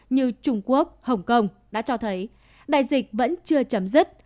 như trung quốc hồng kông đã cho thấy đại dịch vẫn chưa chấm dứt